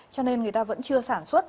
cho nên người ta vẫn chưa sản xuất